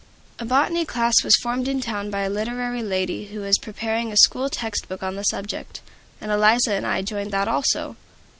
A botany class was formed in town by a literary lady who was preparing a school text book on the subject, and Eliza and I joined that also.